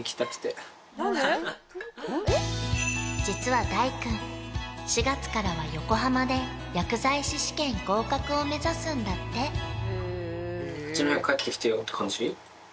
実は大君４月からは横浜で薬剤師試験合格を目指すんだって帰ってきてほしい？